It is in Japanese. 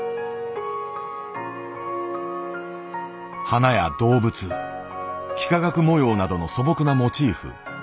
花や動物幾何学模様などの素朴なモチーフ。